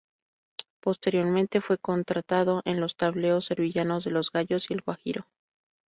Posteriormente fue contratada en los tablaos sevillanos de Los Gallos y El Guajiro.